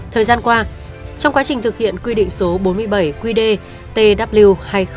thời gian qua trong quá trình thực hiện quy định số bốn mươi bảy qd tw hai nghìn một mươi